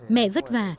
mẹ vất vả